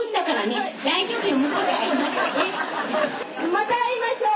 また会いましょう。